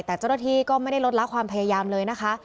แต่เจ้าหน้าที่ก็ไม่ได้ลดละความพยายามเลยนะคะ